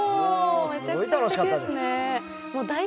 めちゃくちゃすてきですね。